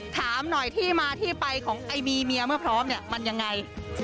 ถามหน่อยที่มาที่ไปของไอ้บีเมียเมื่อพร้อมเนี่ยมันยังไง